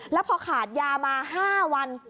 แล้วพอขาดยามา๕วัน